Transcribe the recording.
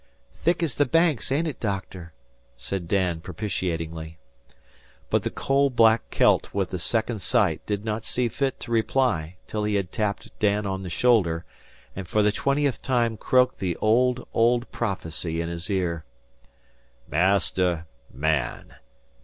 "Thick as the Banks, ain't it, doctor?" said Dan, propitiatingly. But the coal black Celt with the second sight did not see fit to reply till he had tapped Dan on the shoulder, and for the twentieth time croaked the old, old prophecy in his ear. "Master man.